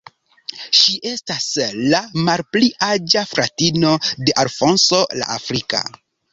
Ŝi estas la malpli aĝa fratino de Alfonso la Afrika.